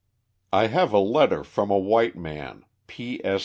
I have a letter from a white man, P. S.